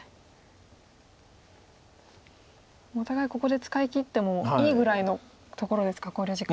もうお互いここで使いきってもいいぐらいのところですか考慮時間。